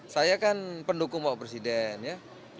saya kan pendukung pak presiden ya